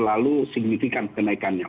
terlalu signifikan kenaikannya